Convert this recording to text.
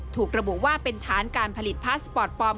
ถูกระบุว่าเป็นฐานการผลิตพาสปอร์ตปลอม